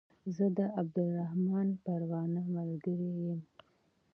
زه د عبدالرحمن پروانه ملګری يم